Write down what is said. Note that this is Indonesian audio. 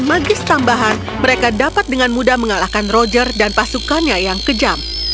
dan dengan bantuan magis tambahan mereka dapat dengan mudah mengalahkan roger dan pasukannya yang kejam